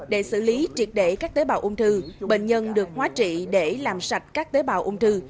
để xử lý triệt để các tế bào ung thư bệnh nhân được hóa trị để làm sạch các tế bào ung thư